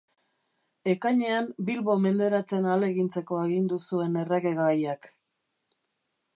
Ekainean Bilbo menderatzen ahalegintzeko agindu zuen Erregegaiak.